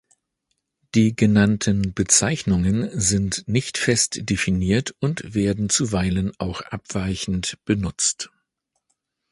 Die genannten Bezeichnungen sind nicht fest definiert und werden zuweilen auch abweichend benutzt.